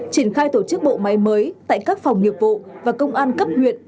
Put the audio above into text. triển khai tổ chức bộ máy mới tại các phòng nghiệp vụ và công an cấp huyện